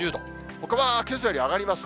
ほかはけさより上がります。